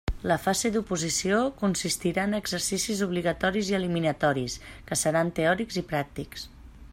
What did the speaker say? La fase d'oposició consistirà en exercicis obligatoris i eliminatoris, que seran teòrics i pràctics.